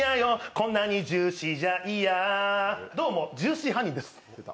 こんなにジューシーじゃ嫌どうも、ジューシーハニーです。